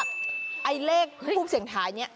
จะบอกว่าที่ให้ดูเพราะว่า